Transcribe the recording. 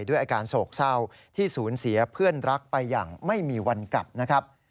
ด้วยอาการโศกเศร้าที่สูญเสียเพื่อนรักไปอย่างไม่มีวันกลับนะครับ